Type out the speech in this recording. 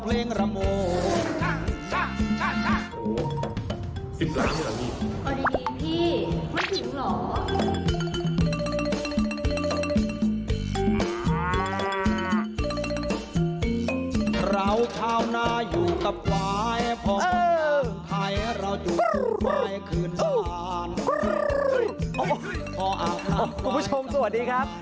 คุณผู้ชมสวัสดีครับ